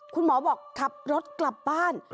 คุณหมอบอกขับรถกลับบ้าน